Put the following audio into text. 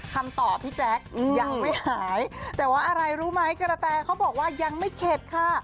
คำตอบพี่แจ๊คยังไม่หายแต่ว่าอะไรรู้ไหมกระแตเขาบอกว่ายังไม่เข็ดค่ะ